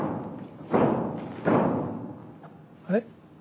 あれ？